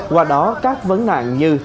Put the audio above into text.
qua đó các vấn nạn như